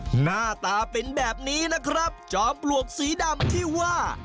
หน้าตาเป็นแบบนี้นะครับจอมปลวกสีดำที่ว่า